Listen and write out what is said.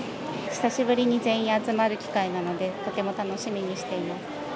久しぶりに全員集まる機会なので、とても楽しみにしています。